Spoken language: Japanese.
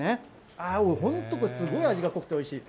ああ、本当にこれ、すごい味が濃くておいしい。